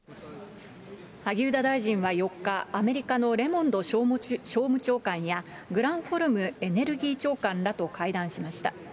萩生田大臣は４日、アメリカのレモンド商務長官や、グランホルムエネルギー長官らと会談しました。